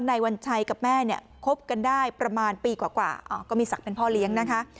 นายวัญชัยกับแม่เนี่ยคบกันได้ประมาณปีกว่าก็มีศักดิ์เป็นพ่อเลี้ยงนะคะ